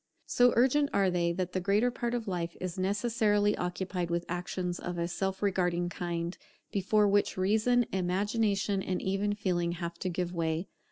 So urgent are they, that the greater part of life is necessarily occupied with actions of a self regarding kind, before which Reason, Imagination, and even Feeling, have to give way.